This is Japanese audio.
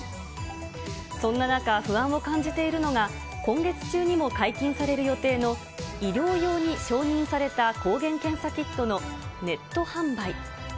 そんな中、不安を感じているのが、今月中にも解禁される予定の医療用に承認された抗原検査キットのネット販売。